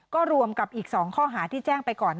ก็รวมกับอีก๒ข้อหาที่แจ้งไปก่อน